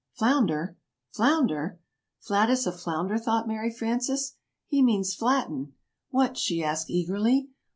"Flounder? Flounder? 'Flat as a flounder,'" thought Mary Frances "he means flatten." "What?" she asked eagerly.